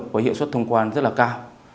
với hiệu suất thông quan rất là cao